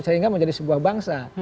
sehingga menjadi sebuah bangsa